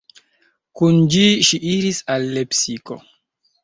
Kun ĝi ŝi iris al Lepsiko.